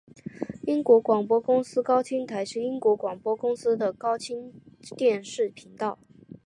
英国广播公司高清台是英国广播公司的高清电视频道。